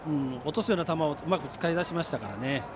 落とすような球をうまく使い出しましたからね。